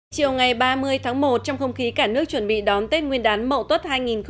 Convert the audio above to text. chiều ngày ba mươi tháng một trong không khí cả nước chuẩn bị đón tết nguyên đán mậu tốt hai nghìn một mươi tám